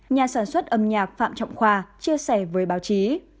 nhà sản xuất âm nhạc phạm trọng khoa chia sẻ với báo chí